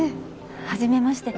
はじめまして。